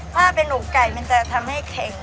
ถ้าเป็นนุ่มไก่มันจะทำให้แข็ง